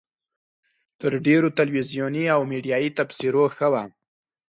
تر ډېرو تلویزیوني او میډیایي تبصرو ښه وه.